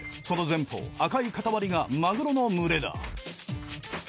その前方赤い塊がマグロの群れだ。